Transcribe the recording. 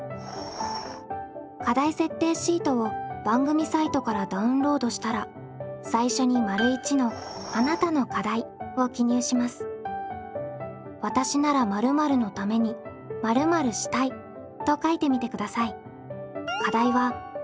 課題設定シートを番組サイトからダウンロードしたら最初に「わたしなら〇〇のために〇〇したい」と書いてみてください。